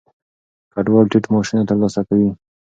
کډوال ټیټ معاشونه ترلاسه کوي.